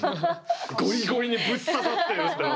ゴリゴリにぶっ刺さっているってのは。